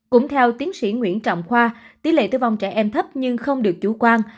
cũng theo tiến sĩ nguyễn trọng khoa tỷ lệ tử vong trẻ em thấp nhưng không được chủ quan